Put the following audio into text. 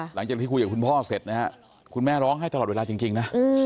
หลังจากที่คุยกับคุณพ่อเสร็จนะฮะคุณแม่ร้องไห้ตลอดเวลาจริงนะ